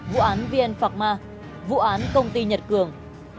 vụ án vn phạc ma vụ án công ty nhật cường